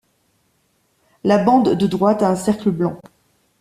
La bande de droite a un cercle blanc.